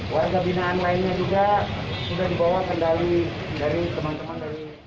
warga binaan lainnya juga sudah dibawa kendali dari teman teman dari